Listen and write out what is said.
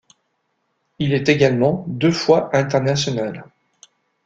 Il est également deux fois international.